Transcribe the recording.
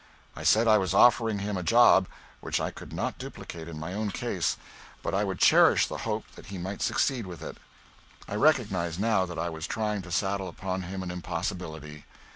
I said I was offering him a job which I could not duplicate in my own case, but I would cherish the hope that he might succeed with it. I recognise now that I was trying to saddle upon him an impossibility.